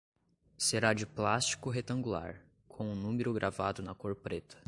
Será de plástico retangular, com o número gravado na cor preta.